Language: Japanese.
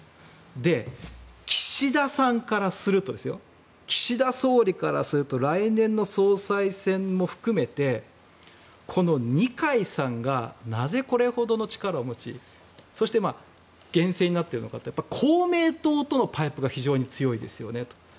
で、岸田さんからすると岸田総理からすると来年の総裁選も含めてこの二階さんがなぜこれほどの力を持ちそして厳正になっているのかって公明党とのパイプが非常に強いですよねと。